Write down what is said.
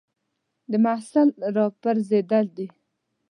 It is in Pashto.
د محصل را پرځېده دي